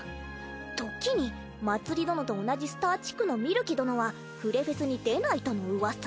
時にまつり殿と同じスター地区のみるき殿はフレフェスに出ないとのうわさ。